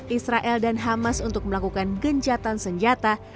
dan meminta israel dan hamas untuk melakukan gencatan senjata